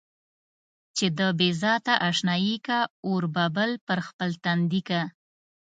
چې د بې ذاته اشنايي کا، اور به بل پر خپل تندي کا.